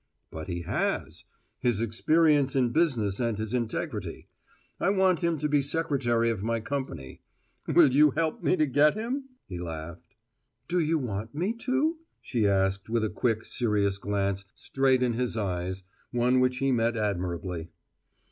"But he has: his experience in business and his integrity. I want him to be secretary of my company. Will you help me to get him?" he laughed. "Do you want me to?" she asked with a quick, serious glance straight in his eyes, one which he met admirably.